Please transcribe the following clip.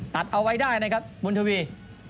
ตัดเอาไว้ได้นะครับบุญทวี